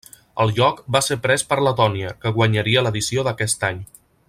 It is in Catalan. El lloc va ser pres per Letònia, que guanyaria l'edició d'aquest any.